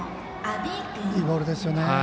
いいボールですよね。